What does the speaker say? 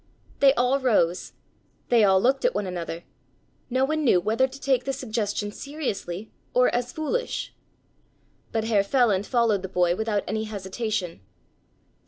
They all rose. They all looked at one another. No one knew whether to take the suggestion seriously or as foolish. But Herr Feland followed the boy without any hesitation.